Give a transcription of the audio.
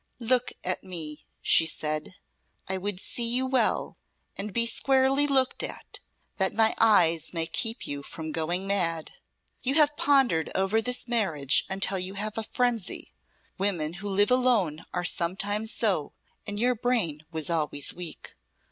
"Look at me," she said. "I would see you well, and be squarely looked at, that my eyes may keep you from going mad. You have pondered over this marriage until you have a frenzy. Women who live alone are sometimes so, and your brain was always weak.